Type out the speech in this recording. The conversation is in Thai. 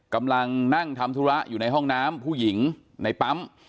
กำลังนั่งทำธุระอยู่ในห้องน้ำผู้หญิงในปั๊ม